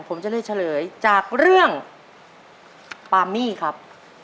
ผมจะเลือกเฉลยจากเรื่องปามี่ครับ